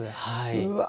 うわ！